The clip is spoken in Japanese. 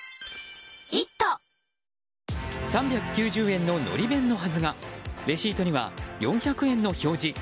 ３９０円の、のり弁のはずがレシートには４００円の表示。